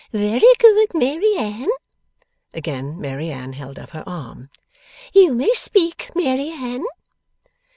'Very good, Mary Anne.' Again Mary Anne held up her arm. 'You may speak, Mary Anne?